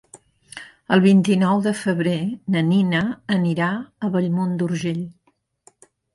El vint-i-nou de febrer na Nina anirà a Bellmunt d'Urgell.